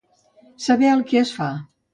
Saber el que es fa.